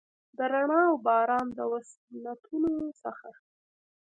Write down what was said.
د رڼا اوباران، د وصلتونو څخه،